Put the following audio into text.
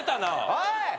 おい！